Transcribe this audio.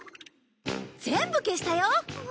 全部消したよ！